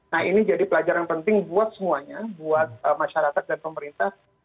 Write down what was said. nah ini jadi pelajaran penting buat semuanya buat masyarakat dan pemerintah